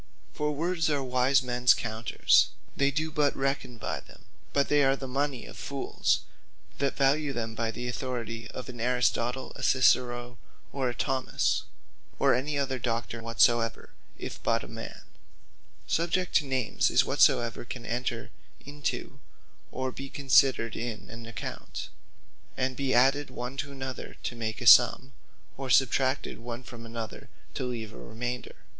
For words are wise mens counters, they do but reckon by them: but they are the mony of fooles, that value them by the authority of an Aristotle, a Cicero, or a Thomas, or any other Doctor whatsoever, if but a man. Subject To Names Subject To Names, is whatsoever can enter into, or be considered in an account; and be added one to another to make a summe; or substracted one from another, and leave a remainder.